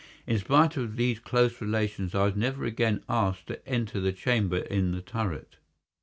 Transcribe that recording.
In spite of these close relations I was never again asked to enter the chamber in the turret.